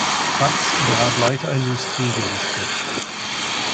Platz in der Halbleiterindustrie gelistet.